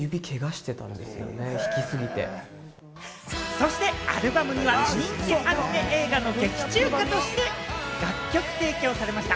そしてアルバムには人気アニメ映画の劇中歌として楽曲提供されました